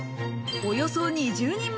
およそ２０人前。